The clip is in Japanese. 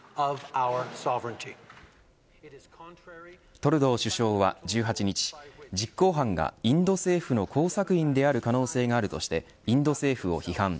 トルドー首相は１８日実行犯が、インド政府の工作員である可能性があるとしてインド政府を批判。